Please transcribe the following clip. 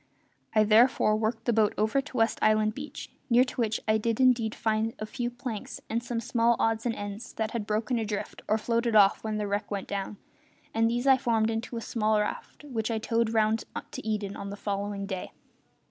I therefore worked the boat over to West Island beach, near to which I did indeed find a few planks and some small odds and ends that had broken adrift or floated off when the wreck went down, and these I formed into a small raft which I towed round to Eden on the following day.